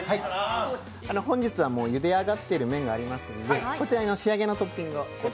本日はもうゆで上がってる麺がありますので、こちらに仕上げのトッピングをしていきます。